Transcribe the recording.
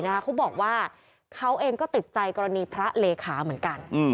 เขาบอกว่าเขาเองก็ติดใจกรณีพระเลขาเหมือนกัน